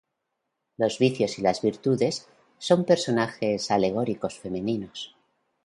Los vicios y las virtudes son personajes alegóricos femeninos.